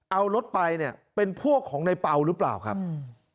เอารถไปเนี่ยเป็นพวกของในเปล่าหรือเปล่าครับอืม